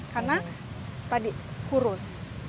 karena tadi kurus